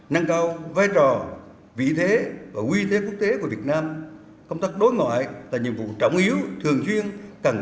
nâng cao vai trò vị thế và quy thế quốc tế của việt nam